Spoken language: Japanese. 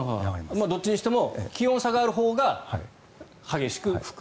どっちにしても気温差があるほうが激しく吹く。